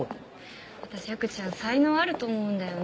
私福ちゃん才能あると思うんだよね。